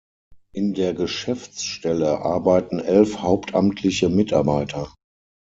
In der Geschäftsstelle arbeiten elf hauptamtliche Mitarbeiter.